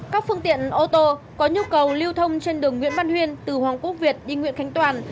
các phương tiện ô tô có nhu cầu lưu thông trên đường nguyễn văn huyên từ hoàng quốc việt đi nguyễn khánh toàn